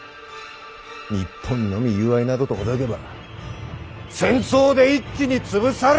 日本のみ友愛などとほざけば戦争で一気に潰さるっのみ！